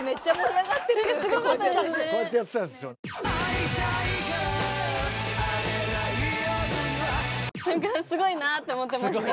何かすごいなって思ってました。